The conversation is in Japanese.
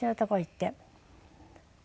って。